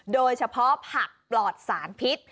โดยเฉพาะผักปลอดสารพิษ